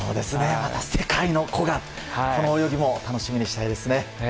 また世界の古賀の泳ぎも楽しみにしたいですね。